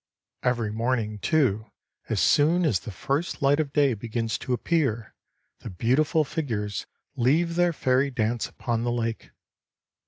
Every morning, too, as soon as the first light of day begins to appear, the beautiful figures leave their fairy dance upon the lake.